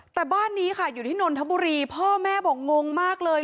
แต่บ้านนี้อยู่ที่หนมิพ่อแม่บอกงงมากเลย